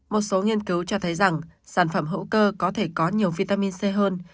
một số nghiên cứu cho thấy rằng sản phẩm hữu cơ có thể có nhiều vitamin c hơn